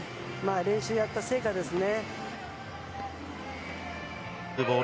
練習をやった成果ですね。